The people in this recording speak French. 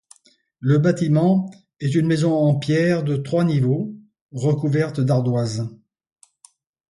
Le bâtiment est une maison en pierres de trois niveaux, recouverte d'ardoises.